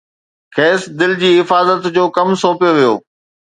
کيس دل جي حفاظت جو ڪم سونپيو ويو